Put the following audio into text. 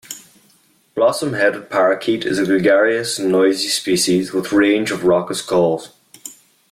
Blossom-headed parakeet is a gregarious and noisy species with range of raucous calls.